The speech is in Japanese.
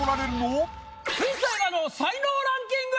水彩画の才能ランキング！